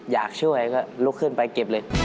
อยากช่วยก็ลุกขึ้นไปเก็บเลย